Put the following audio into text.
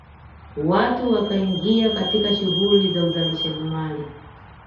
Watu wakaingia katika shughuli za uzalishaji mali